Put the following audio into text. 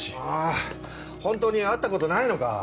あ本当に会ったことないのか？